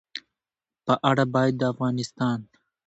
په اړه باید د افغانستان